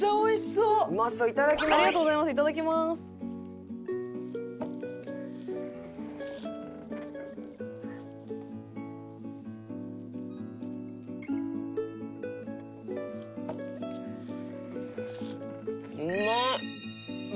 うまっ！